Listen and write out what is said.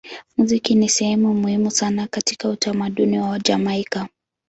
Muziki ni sehemu muhimu sana katika utamaduni wa Jamaika.